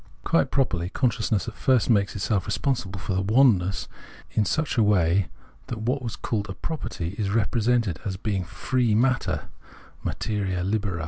Quite properly consciousness at first makes itself responsible for the " oneness " in such a way that what was called a property is repre sented as being " free matter " {materia libera).